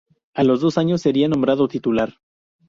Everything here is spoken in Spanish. A los dos años sería nombrado titular.